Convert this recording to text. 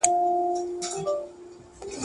یو وړوکی ځنګل را ګرځېدلی دی ..